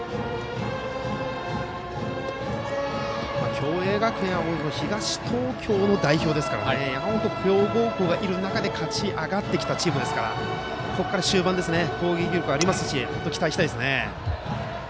共栄学園は東東京の代表ですから強豪校がいる中で勝ち上がってきたチームですからここから終盤攻撃力もありますから期待したいですね。